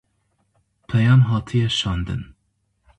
Peyam hatiye şandin